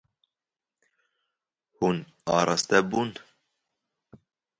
Hûn araste bûn.